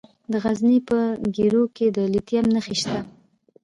د غزني په ګیرو کې د لیتیم نښې شته.